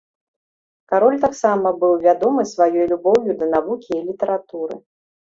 Кароль таксама быў вядомы сваёй любоўю да навукі і літаратуры.